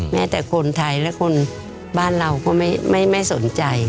แม้แต่คนไทยและคนบ้านเราก็ไม่สนใจ